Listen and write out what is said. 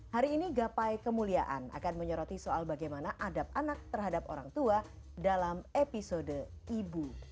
hari ini gapai kemuliaan akan menyoroti soal bagaimana adab anak terhadap orang tua dalam episode ibu